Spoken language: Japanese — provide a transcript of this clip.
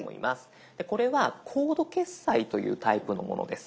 これはコード決済というタイプのものです。